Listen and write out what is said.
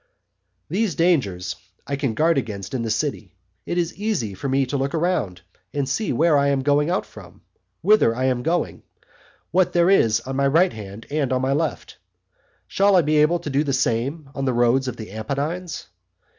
XI. These dangers I can guard against in the city; it is easy for me to look around and see where I am going out from, whither I am going, what there is on my right hand, and on my left. Shall I be able to do the same on the roads of the Apennines?